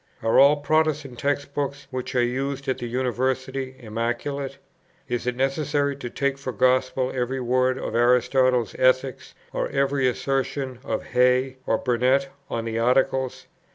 Are all Protestant text books, which are used at the University, immaculate? Is it necessary to take for gospel every word of Aristotle's Ethics, or every assertion of Hey or Burnett on the Articles?